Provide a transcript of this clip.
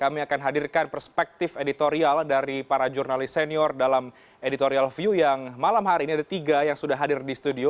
kami akan hadirkan perspektif editorial dari para jurnalis senior dalam editorial view yang malam hari ini ada tiga yang sudah hadir di studio